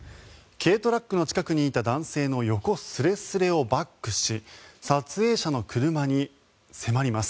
軽トラックの近くにいた男性の横すれすれをバックし撮影者の車に迫ります。